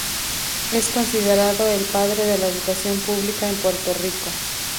Es considerado el "Padre de la Educación Pública en Puerto Rico".